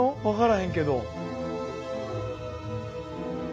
分からへんけど。